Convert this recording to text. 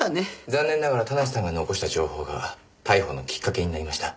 残念ながら田無さんが残した情報が逮捕のきっかけになりました。